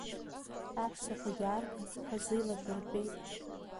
Аҳәсақәагьы аарган, хазы иладыртәеит.